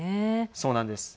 そうなんです。